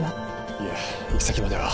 いえ行き先までは。